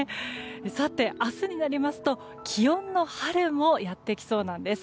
さて、明日になりますと気温も春もやってきそうなんです。